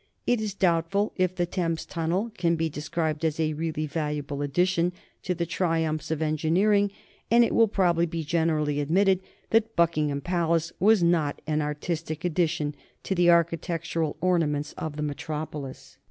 It is doubtful if the Thames Tunnel can be described as a really valuable addition to the triumphs of engineering, and it will perhaps be generally admitted that Buckingham Palace was not an artistic addition to the architectural ornaments of the metropolis.